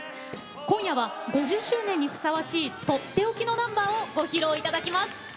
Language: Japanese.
今夜は５０周年にふさわしいとっておきのナンバーをご披露いただきます。